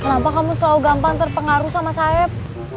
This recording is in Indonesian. kenapa kamu selalu gampang terpengaruh sama sayap